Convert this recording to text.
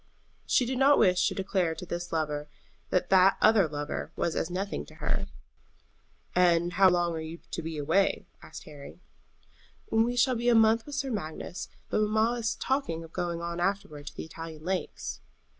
She did not wish to declare to this lover that that other lover was as nothing to her. "And how long are you to be away?" asked Harry. "We shall be a month with Sir Magnus; but mamma is talking of going on afterward to the Italian lakes."